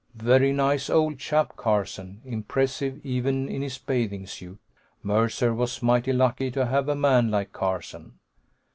Very nice old chap, Carson, impressive even in his bathing suit. Mercer was mighty lucky to have a man like Carson....